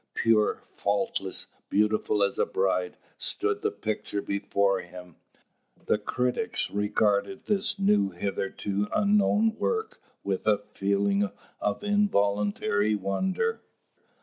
Pure, faultless, beautiful as a bride, stood the picture before him. The critics regarded this new hitherto unknown work with a feeling of involuntary wonder.